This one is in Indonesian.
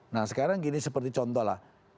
nah sekarang gini seperti contoh lah